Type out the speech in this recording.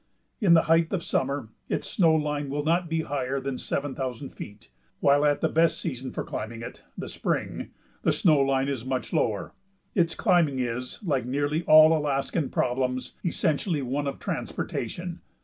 In the height of summer its snow line will not be higher than seven thousand feet, while at the best season for climbing it, the spring, the snow line is much lower. Its climbing is, like nearly all Alaskan problems, essentially one of transportation.